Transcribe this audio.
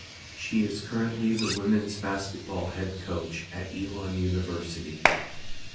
She is currently the women's basketball head coach at Elon University.